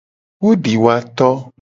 Wo di woa to.